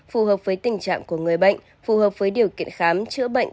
phù hợp với tình trạng của người bệnh phù hợp với điều kiện khám chữa bệnh